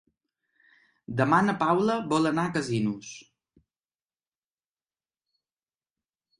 Demà na Paula vol anar a Casinos.